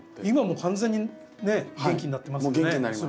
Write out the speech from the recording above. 今もう完全に元気になってますよね。